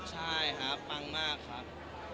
ใช่ครับปังมากครับ